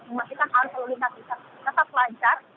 memastikan arus lalu lintas kita tetap lancar